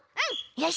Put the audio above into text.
よし！